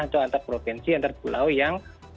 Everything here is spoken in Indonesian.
atau antar provinsi antar pulau yang